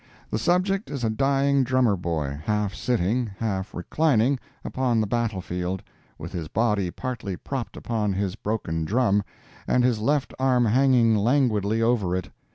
The subject is a dying drummer boy, half sitting, half reclining, upon the battle field, with his body partly propped upon his broken drum, and his left arm hanging languidly over it.